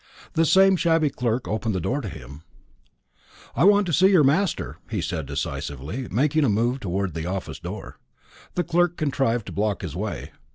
The same shabby clerk opened the door to him. "I want to see your master," he said decisively, making a move towards the office door. The clerk contrived to block his way.